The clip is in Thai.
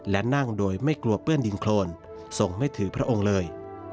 และนั่งโดยไม่กลัวเปื้อนดินโครนทรงไม่ถือพระองค์เลย